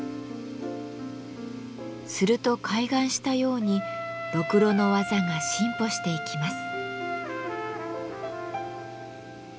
すると開眼したようにろくろの技が進歩していきます。